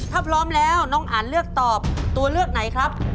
ถ้าพร้อมแล้วน้องอันเลือกตอบตัวเลือกไหนครับ